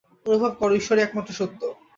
অনুভব কর, ঈশ্বরই একমাত্র সত্য।